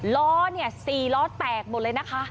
รอเนี่ยสี่รอแตกหมดเลยนะคะ